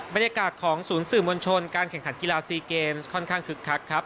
บรรยากาศของศูนย์สื่อมวลชนการแข่งขันกีฬาซีเกมส์ค่อนข้างคึกคักครับ